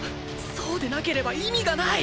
そうでなければ意味がない！